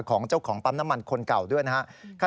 ของเจ้าของปั๊มน้ำมันคนเก่าด้วยนะครับ